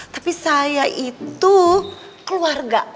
tapi saya itu keluarga